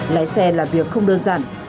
lái xe là việc không đơn giản